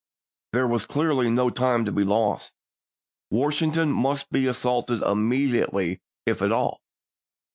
There was clearly no time to be lost. Washington must be assaulted immediately if at all.